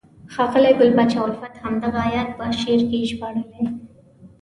ښاغلي ګل پاچا الفت همدغه آیت په شعر کې ژباړلی: